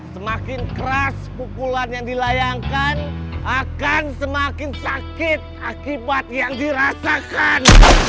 semakin keras pukulan yang dilayangkan akan semakin sakit akibat yang dirasakan